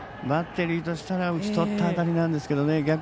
バッテリーとしては打ち取った当たりなんですけどね。